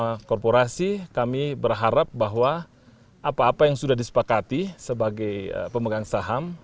karena korporasi kami berharap bahwa apa apa yang sudah disepakati sebagai pemegang saham